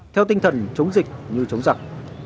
theo tinh thần chống dịch như chống giặc